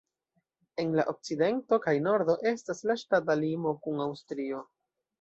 En la okcidento kaj nordo estas la ŝtata limo kun Aŭstrio.